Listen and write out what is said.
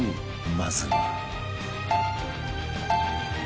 まずは